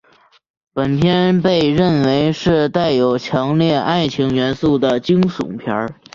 本片被认为是带有强烈爱情元素的惊悚片。